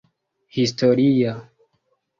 historia